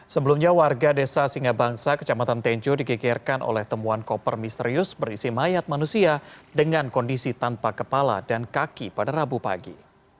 sebelumnya warga desa singa bangsa kecamatan tenjo digegerkan oleh temuan koper misterius berisi mayat manusia dengan kondisi tanpa kepala dan kaki pada rabu pagi